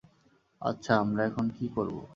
আচ্ছা, আমরা এখন কী করব?